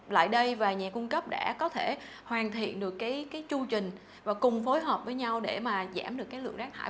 lại đây và nhà cung cấp đã có thể hoàn thiện được cái chưu trình và cùng phối hợp với nhau để mà giảm được cái lượng rác thải